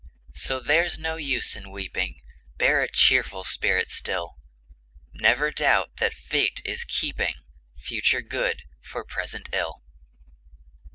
So there's no use in weeping, Bear a cheerful spirit still; Never doubt that Fate is keeping Future good for present ill!